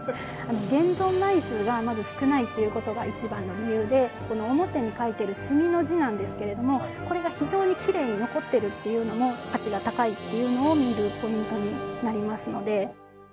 現存枚数がまず少ないということが一番の理由でこの表に書いてる墨の字なんですけれどもこれが非常にきれいに残ってるっていうのも価値が高いっていうのを見るポイントになりますので。